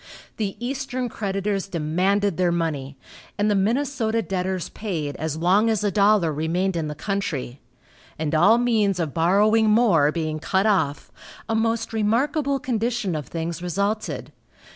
The eastern creditors demanded their money, and the Minnesota debtors paid as long as a dollar remained in the country, and all means of borrowing more being cut off, a most remarkable condition of things resulted.